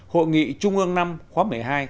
hội nghị trung ương năm khóa một mươi hai